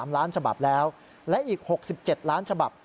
๓ล้านฉบับแล้วและอีก๖๗ล้านฉบับ